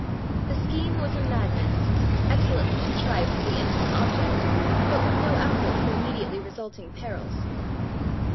The scheme was a madman's, excellently contrived for the instant object, but with no outlook for immediately resulting perils.